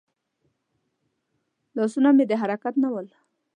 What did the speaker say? لاسونه مې د حرکت نه ول.